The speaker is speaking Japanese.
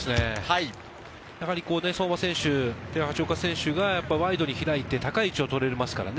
やはり相馬選手、橋岡選手がワイドに開いて、高い位置をとれますからね。